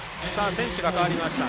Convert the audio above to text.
選手が代わりました。